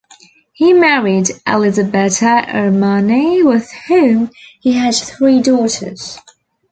He married Elisabetta Ermanni with whom he had three daughters.